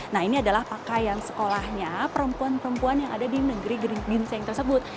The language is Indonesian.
nah ini adalah pakaian sekolahnya perempuan perempuan yang ada di negeri ginseng tersebut